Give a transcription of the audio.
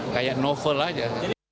kayak novel saja